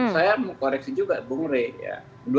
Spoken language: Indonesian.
saya mau koreksi juga bumrei ya